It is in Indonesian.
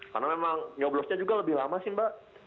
karena memang nyoblosnya juga lebih lama sih mbak